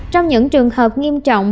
trong những trường hợp nghiêm trọng